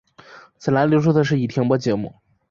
此栏列出的是已停播节目。